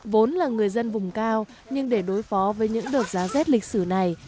vốn là người dân vùng cao nhưng để đối phó với những đợt giá rét lịch sử này